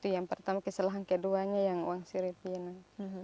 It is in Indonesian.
yang pertama kesalahan keduanya yang uang siripinan